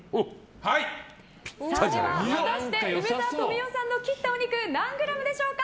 果たして梅沢富美男さんの切ったお肉何グラムでしょうか。